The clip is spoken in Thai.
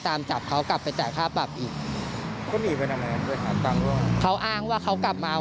ตามจับเขากลับไปจ่ายค่าปรับอีกเขาอ้างว่าเขากลับมาเอา